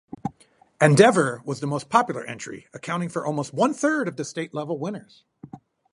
"Endeavour" was the most popular entry, accounting for almost one-third of the state-level winners.